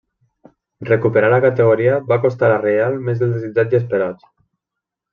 Recuperar la categoria va costar a la Real més del desitjat i esperat.